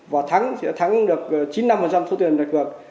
và thắng sẽ thắng được chín mươi năm số tiền đặt cược